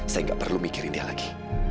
saya gak perlu mikirin dia lagi